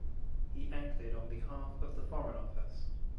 He acted on behalf of the Foreign Office.